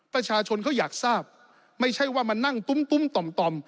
ประชาชนเขาอยากทราบไม่ใช่ว่ามานั่งตุ้มตุ้มต่อมต่อม